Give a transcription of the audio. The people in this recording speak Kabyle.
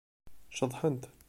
Ceḍḥent.